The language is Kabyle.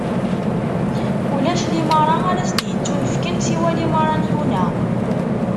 Ulac limaṛa ara s-d-ittunefken siwa limaṛa n Yuna.